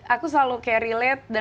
aku selalu carry led